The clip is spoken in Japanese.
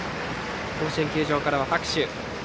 甲子園球場からは拍手。